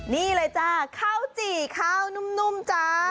นี่เลยจ้าข้าวจี่ข้าวนุ่มจ้า